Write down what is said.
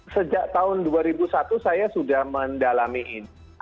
sejak tahun dua ribu satu saya sudah mendalami ini